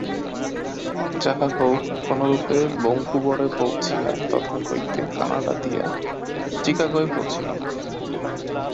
যাহা হউক, কোনরূপে বঙ্কুবরে পৌঁছিয়া তথা হইতে কানাডা দিয়া চিকাগোয় পৌঁছিলাম।